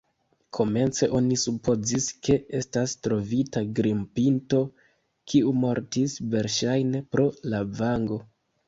Komence oni supozis, ke estas trovita grimpinto, kiu mortis verŝajne pro lavango.